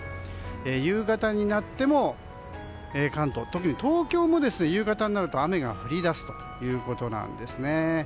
夕方になっても関東、特に東京も夕方になると雨が降り出すということなんです。